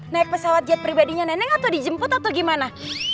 naik pesawat jet pribadinya nenek atau dijemput atau gimana